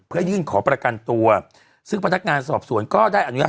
เพื่อยื่นขอประกันตัวซึ่งพนักงานสอบสวนก็ได้อนุญาต